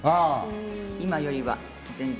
今よりは、全然。